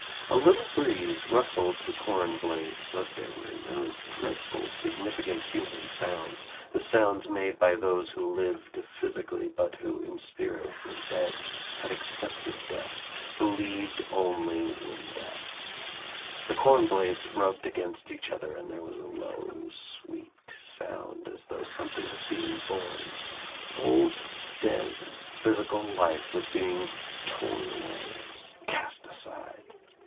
A little breeze rustled the corn blades but there were no dreadful significant human sounds, the sounds made by those who lived physically but who in spirit were dead, had accepted death, believed only in death. The corn blades rubbed against each other and there was a low sweet sound as though something was being born, old dead physical life was being torn away, cast aside.